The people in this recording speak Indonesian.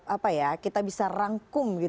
apa ya kita bisa rangkum